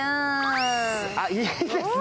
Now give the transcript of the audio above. あっ、いいですね。